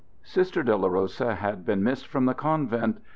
Sister Dolorosa had been missed from the convent.